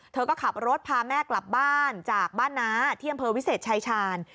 เธอก็ขับรถพาแม่กลับบ้านจากบ้านน้าที่อำเภอวิเศษชายชาญ